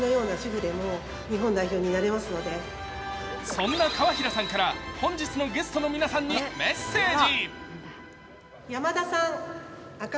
そんな川平さんから本日のゲストの皆さんにメッセージ。